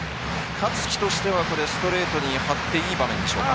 香月としてはストレートに張っていい場面でしょうか。